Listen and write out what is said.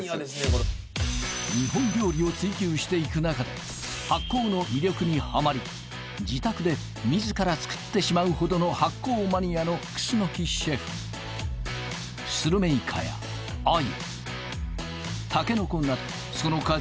これ日本料理を追求していく中で発酵の魅力にハマり自宅で自ら作ってしまうほどの発酵マニアの楠シェフスルメイカやアユ竹の子などその数